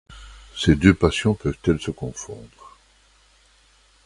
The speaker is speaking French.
Ces deux passions peuvent-elles se confondre ?